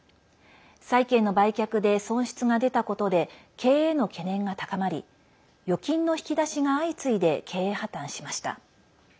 債権の売却で損失が出たことで経営への懸念が高まり預金の引き出しが相次いで経営破綻しました。